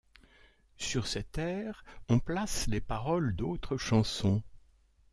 Sur cet air on place les paroles d'autres chansons.